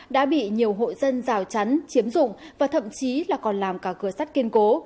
đã bị nhiều hộ dân rào chắn chiếm dụng và thậm chí là còn làm cả cửa sắt kiên cố